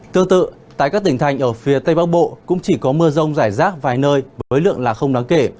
tương tự tại các tỉnh thành ở phía tây bắc bộ cũng chỉ có mưa rông rải rác vài nơi với lượng là không đáng kể